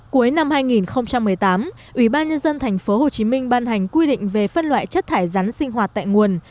cuối năm hai nghìn một mươi tám ubnd tp hcm ban hành quy định về phân loại chất thải rắn sinh hoạt tại nguồn